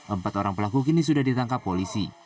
empat orang pelaku kini sudah ditangkap polisi